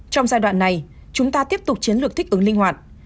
trong giai đoạn này chúng ta tiếp tục chiến lược thích ứng linh hoạt